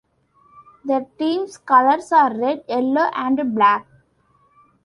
The team's colours are red, yellow and black.